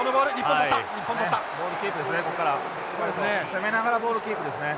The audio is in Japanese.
攻めながらボールキープですね。